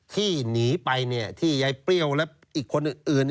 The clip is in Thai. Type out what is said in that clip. ที่หนีไปที่ยายเปรี้ยวและอีกคนอื่น